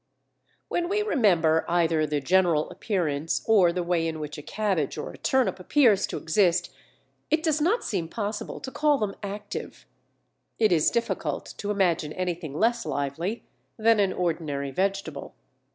When we remember either the general appearance or the way in which a cabbage or a turnip appears to exist, it does not seem possible to call them active. It is difficult to imagine anything less lively than an ordinary vegetable.